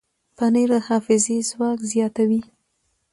پنېر د حافظې ځواک زیاتوي.